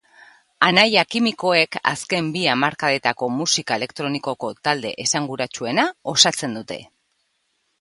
Anaia kimikoek azken bi hamarkadetako musika elektronikoko talde esanguratsuena osatzen dute.